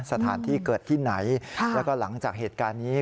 สถานที่เกิดที่ไหนแล้วก็หลังจากเหตุการณ์นี้